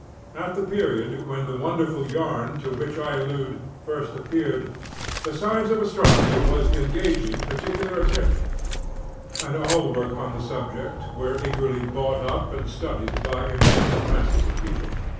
At the period when the wonderful "yarn" to which I allude first appeared, the science of astronomy was engaging particular attention, and all works on the subject were eagerly bought up and studied by immense masses of people.